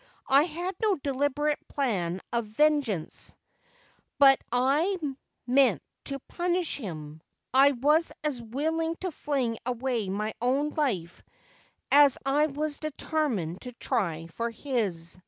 I had no deliberate plan of vengeance, but I meant to punish him. I was as willing to fling away my own life as I was determined to try for his.